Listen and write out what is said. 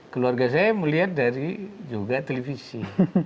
keluarga saya melihat dari juga televisi